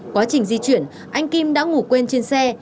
quá trình di chuyển anh kim đã ngủ quên trên xe